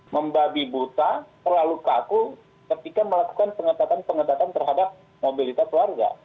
membabi buta terlalu kaku ketika melakukan pengetatan pengetatan terhadap mobilitas warga